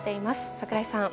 櫻井さん。